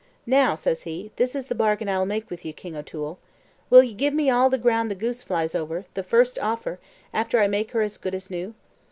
Now," says he, "this is the bargain I'll make with you, King O'Toole: will you gi' me all the ground the goose flies over, the first offer, after I make her as good as new?"